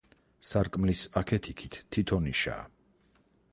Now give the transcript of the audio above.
სარკმლის აქეთ-იქით თითო ნიშაა.